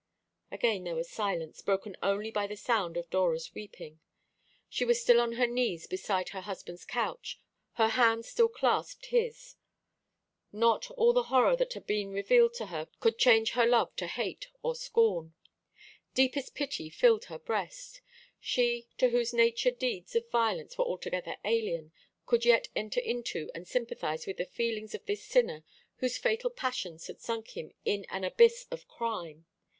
Again there was silence, broken only by the sound of Dora's weeping. She was still on her knees beside her husband's couch; her hand still clasped his. Not all the horror that had been revealed to her could change her love to hate or scorn. Deepest pity filled her breast. She, to whose nature deeds of violence were altogether alien, could yet enter into and sympathise with the feelings of this sinner, whose fatal passions had sunk him in an abyss of crime.